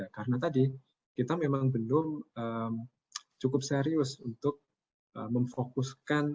karena tadi kita memang benar cukup serius untuk memfokuskan